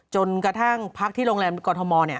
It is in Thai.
จนกระทั่งพักที่โรงแรมกรทม